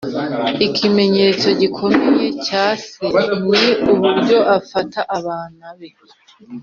“ikimenyetso gikomeye cya se ni uburyo afata abana be